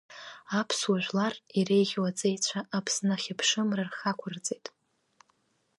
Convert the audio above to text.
Аԥсуа жәлар иреиӷьу аҵеицәа Аԥсны ахьыԥшымра рхы ақәырҵеит.